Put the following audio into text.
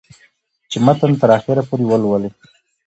چې متن تر اخره پورې ولولي